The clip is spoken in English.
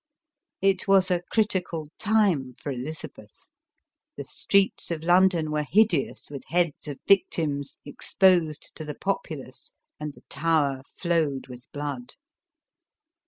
It was a critical time for Elizabeth. The streets of London were hideous with heads of victims, exposed to the populace, and the Tower flowed with blood.